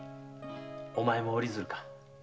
お前も折り鶴か？